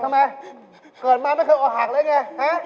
ทำไมเกิดมาไม่เคยอกหักแล้วไง